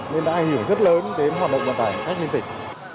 nên đã hiểu rất lớn đến hoạt động bàn tải khách liên tịch